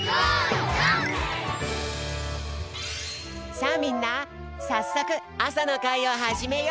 さあみんなさっそくあさのかいをはじめよう！